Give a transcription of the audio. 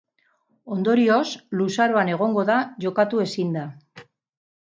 Ondorioz, luzaroan egongo da jokatu ezinda.